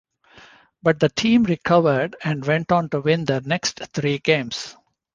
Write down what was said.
But the team recovered and went on to win their next three games.